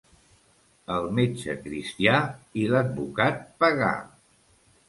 El metge cristià i l'advocat pagà.